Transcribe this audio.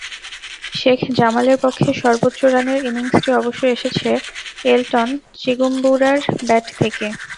শেখ জামালের পক্ষে সর্বোচ্চ রানের ইনিংসটি অবশ্য এসেছে এলটন চিগুম্বুরার ব্যাট থেকে।